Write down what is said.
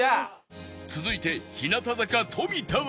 続いて日向坂富田は